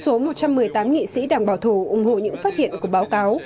trong số một trăm một mươi tám nghị sĩ đảng bảo thủ ủng hộ những phát hiện của báo cáo